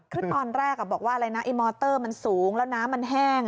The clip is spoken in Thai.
คือตอนแรกบอกว่าอะไรนะไอ้มอเตอร์มันสูงแล้วน้ำมันแห้ง